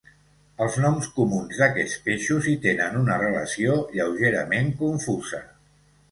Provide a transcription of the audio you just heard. Els noms comuns d'aquests peixos hi tenen una relació lleugerament confusa.